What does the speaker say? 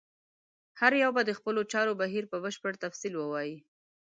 هر یو به د خپلو چارو بهیر په بشپړ تفصیل ووایي.